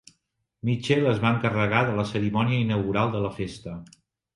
Mitchell es va encarregar de la cerimònia inaugural de la festa.